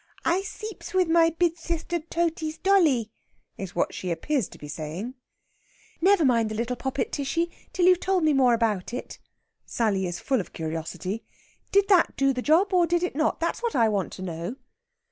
"I seeps with my bid sister Totey's dolly," is what she appears to be saying. "Never mind the little poppet, Tishy, till you've told me more about it." Sally is full of curiosity. "Did that do the job or did it not? That's what I want to know."